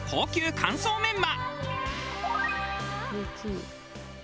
乾燥メンマ